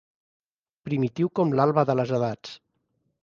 ...primitiu com l'alba de les edats